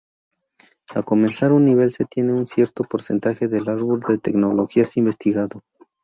A comenzar un nivel, se tiene un cierto porcentaje del árbol de tecnologías investigado.